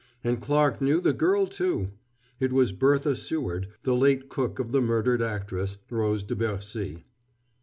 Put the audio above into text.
And Clarke knew the girl, too! It was Bertha Seward, the late cook of the murdered actress, Rose de Bercy.